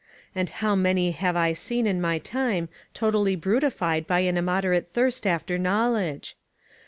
And how many have I seen in my time totally brutified by an immoderate thirst after knowledge?